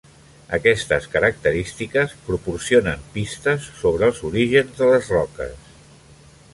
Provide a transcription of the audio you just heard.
Aquestes característiques proporcionen pistes sobre els orígens de les roques.